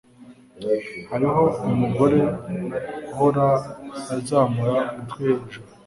hariho umugore uhora azamura umutwe hejuru